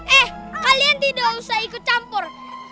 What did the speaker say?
eh kalian tidak usah ikut campur